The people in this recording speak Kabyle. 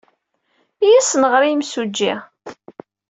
Iyya ad as-nɣer i yimsujji.